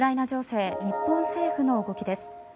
情勢日本政府の動きです。